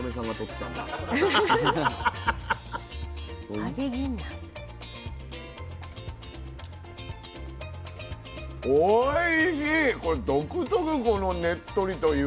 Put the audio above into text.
おいしい！